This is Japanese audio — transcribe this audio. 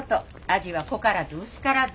味は濃からず薄からず。